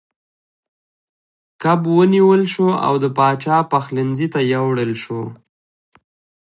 کب ونیول شو او د پاچا پخلنځي ته یووړل شو.